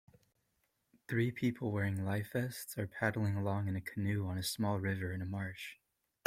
Three people wearing lifevests are paddling along in a canoe on a small river in a marsh.